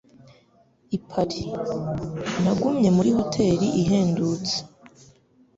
I Paris, nagumye muri hoteri ihendutse.